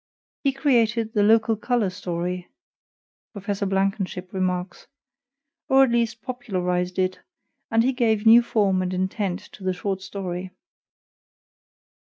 "He created the local color story," Prof. Blankenship remarks, "or at least popularized it, and he gave new form and intent to the short story."